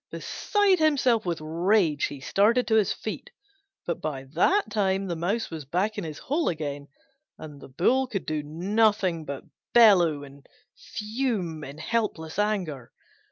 Beside himself with rage he started to his feet, but by that time the Mouse was back in his hole again, and he could do nothing but bellow and fume in helpless anger.